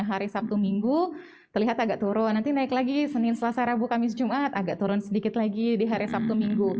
hari sabtu minggu terlihat agak turun nanti naik lagi senin selasa rabu kamis jumat agak turun sedikit lagi di hari sabtu minggu